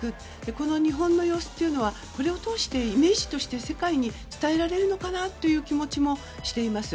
この日本の様子というのはこれを通してイメージとして世界に伝えられるのかなという気持ちもしています。